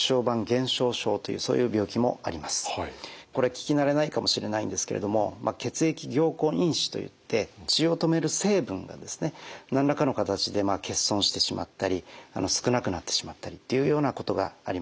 聞き慣れないかもしれないんですけれども血液凝固因子といって血を止める成分がですね何らかの形で欠損してしまったり少なくなってしまったりっていうようなことがありまして。